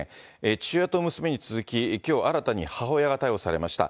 父親と娘に続き、きょう新たに母親が逮捕されました。